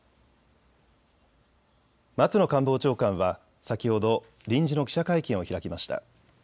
松野官房長官は先ほど臨時の記者会見を開きました。